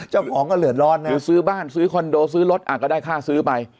หรือซื้อบ้านซื้อคอนโดซื้อรถอ่ะก็ได้ค่าซื้อไป